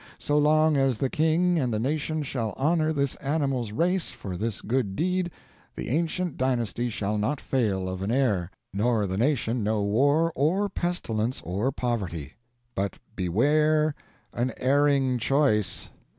So long as the king and the nation shall honor this animal's race for this good deed, the ancient dynasty shall not fail of an heir, nor the nation know war or pestilence or poverty. But beware an erring choice!